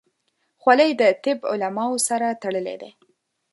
خولۍ د طب علماو سره تړلې ده.